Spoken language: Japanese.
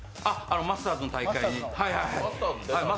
マスターズの大会ですね。